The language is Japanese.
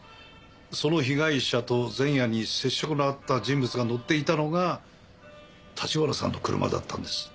その被害者と前夜に接触のあった人物が乗っていたのが立花さんの車だったんです。